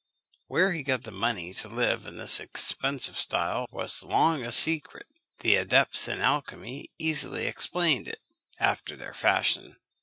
Where he got the money to live in this expensive style was long a secret: the adepts in alchymy easily explained it, after their fashion.